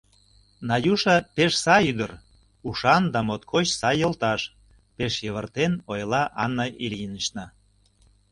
— Надюша — пеш сай ӱдыр, ушан да моткоч сай йолташ, — пеш йывыртен ойла Анна Ильинична.